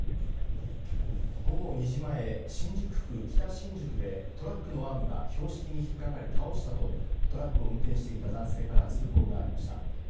午後２時前、新宿区北新宿でトラックのアームが標識に引っ掛かり倒したとトラックを運転していた男性から通報がありました。